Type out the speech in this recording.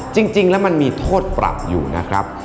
จริงแล้วมันมีโทษปรับอยู่นะครับ